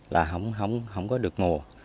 là không có được ngồ